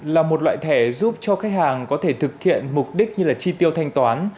là một loại thẻ giúp cho khách hàng có thể thực hiện mục đích như chi tiêu thanh toán